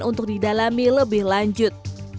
untuk didalami lebih lanjut